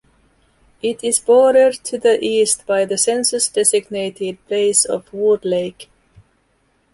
It is bordered to the east by the census-designated place of Woodlake.